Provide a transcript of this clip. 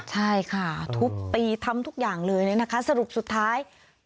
ใช่ค่ะทุบตีทำทุกอย่างเลยนะคะสรุปสุดท้าย